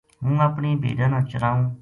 ہوں اپنی بھیڈاں نا چرائوں ‘‘